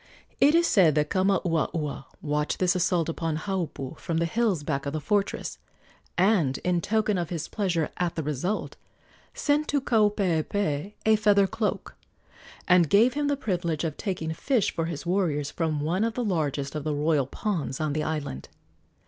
It is said that Kamauaua watched this assault upon Haupu from the hills back of the fortress, and, in token of his pleasure at the result, sent to Kaupeepee a feather cloak, and gave him the privilege of taking fish for his warriors from one of the largest of the royal ponds on the island.